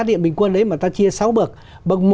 điện bình quân đấy mà ta chia sáu bậc bậc